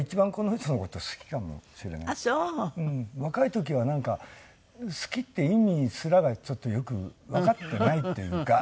若い時はなんか好きって意味すらちょっとよくわかってないというか。